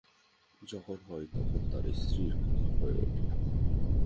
যখন হয় তখন তারা স্ত্রীর খোকা হয়ে ওঠে।